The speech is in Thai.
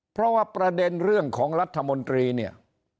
เพราะว่าประเด็นเรื่องของรัฐมนตรีเนี่ย